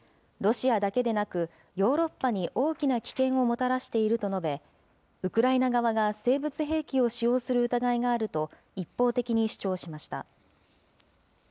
ロシアだけでなく、ヨーロッパに大きな危険をもたらしていると述べ、ウクライナ側が生物兵器を使用する疑いがあると、一方的に主張しました。